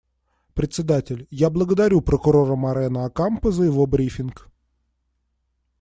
Председатель: Я благодарю Прокурора Морено Окампо за его брифинг.